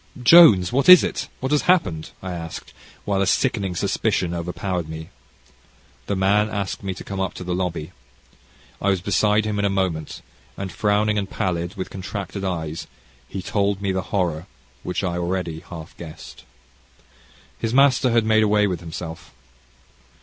"Jones, what is it? what has happened?" I asked, while a sickening suspicion overpowered me. The man asked me to come up to the lobby. I was beside him in a moment, and, frowning and pallid, with contracted eyes, he told me the horror which I already half guessed. His master had made away with himself.